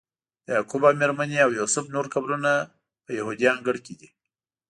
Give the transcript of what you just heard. د یعقوب او میرمنې او یوسف نور قبرونه په یهودي انګړ کې دي.